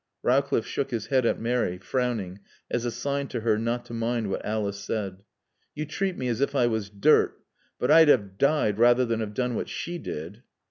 Rowcliffe shook his head at Mary, frowning, as a sign to her not to mind what Alice said. "You treat me as if I was dirt, but I'd have died rather than have done what she did."